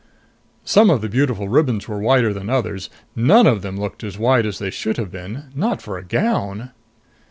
Some of the beautiful ribbons were wider than others. None of them looked as wide as they should have been. Not for a gown.